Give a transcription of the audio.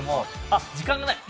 あっ時間がない？